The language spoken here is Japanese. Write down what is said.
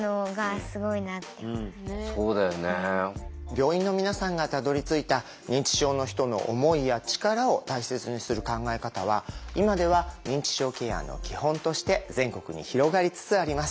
病院の皆さんがたどりついた認知症の人の思いや力を大切にする考え方は今では認知症ケアの基本として全国に広がりつつあります。